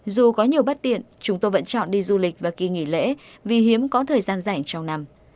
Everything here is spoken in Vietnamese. dù có nhiều bất tiện chúng tôi vẫn chọn đi du lịch và kỳ nghỉ lễ vì hiếm có thời gian rảnh trong năm